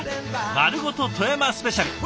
「まるごと富山スペシャル」。